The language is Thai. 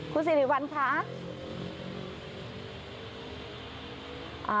คุณสิริวัลคะ